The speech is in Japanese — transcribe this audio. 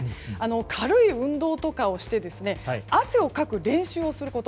軽い運動とかをして汗をかく練習をすること。